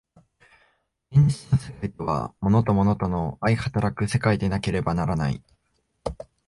現実の世界とは物と物との相働く世界でなければならない。